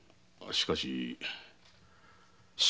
しかし？